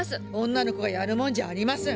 女の子がやるもんじゃありません。